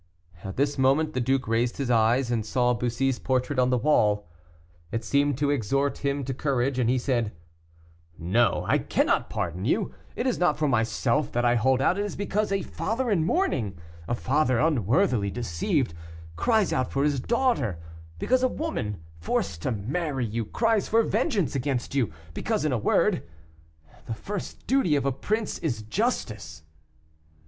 At this moment the duke raised his eyes, and saw Bussy's portrait on the wall. It seemed to exhort him to courage, and he said, "No, I cannot pardon you; it is not for myself that I hold out, it is because a father in mourning a father unworthily deceived cries out for his daughter; because a woman, forced to marry you, cries for vengeance against you; because, in a word, the first duty of a prince is justice."